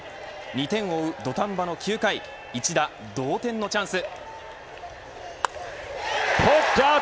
２点を追う土壇場の９回一打同点のチャンス。